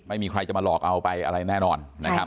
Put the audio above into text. ไม่มีใครจะมาหลอกเอาไปอะไรแน่นอนนะครับ